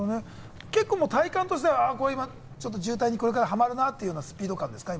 体感としては、渋滞にハマるなというようなスピード感ですか？